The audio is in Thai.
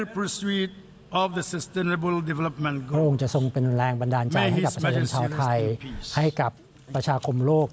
พระองค์จะทรงเป็นแรงบันดาลใจให้ประชาชนเท่าไทย